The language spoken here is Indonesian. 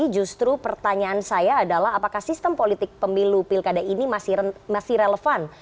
justru pertanyaan saya adalah apakah sistem politik pemilu pilkada ini masih relevan